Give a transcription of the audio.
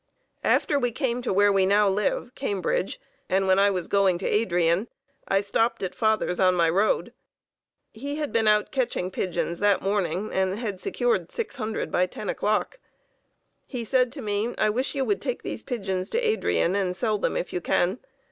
After we came to where we now live (Cambridge), and when I was going to Adrian, I stopped at father's on my road. He had been out catching pigeons that morning and had secured 600 by 10 o'clock. He said to me: "I wish you would take these pigeons to Adrian and sell them if you can.